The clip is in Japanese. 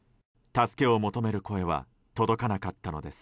助けを求める声は届かなかったのです。